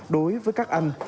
đối với các anh